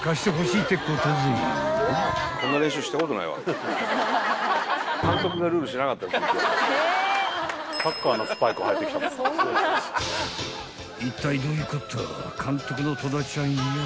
［いったいどういうこった監督の戸田ちゃんよ］